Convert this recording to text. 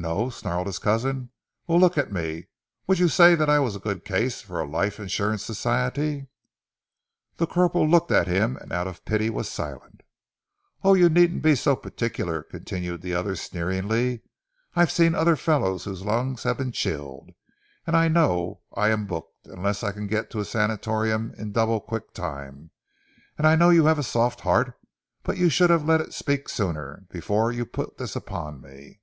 "No?" snarled his cousin. "Well, look at me! Would you say that I was a good case for a Life Insurance Society?" The corporal looked at him, and out of pity was silent. "Oh, you needn't be so particular," continued the other sneeringly. "I've seen other fellows whose lungs have been chilled, and I know I am booked, unless I can get to a sanatorium in double quick time. And I know you have a soft heart, but you should have let it speak sooner before you put this upon me."